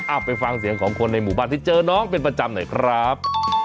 ไปฟังเสียงของคนในหมู่บ้านที่เจอน้องเป็นประจำหน่อยครับ